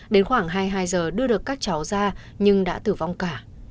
đến khoảng hai mươi hai giờ đưa được các cháu ra nhưng đã tử vong cả